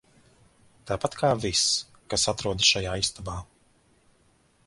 Tāpat kā viss, kas atrodas šajā istabā.